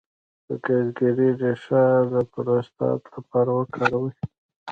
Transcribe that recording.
د ګزګیرې ریښه د پروستات لپاره وکاروئ